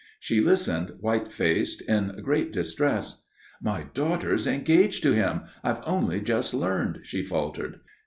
She listened white faced, in great distress. "My daughter's engaged to him. I've only just learned," she faltered.